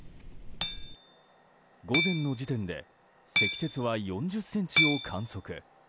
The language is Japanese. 午前の時点で積雪は４０ｃｍを観測。